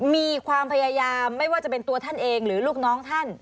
มีความพยายามไม่ว่าจะเป็นตัวท่านเองหรือลูกน้องท่าน